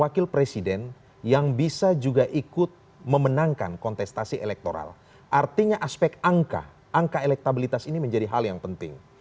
kemampuan dan stabilitas ini menjadi hal yang penting